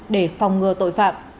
để phòng ngừa tội phạm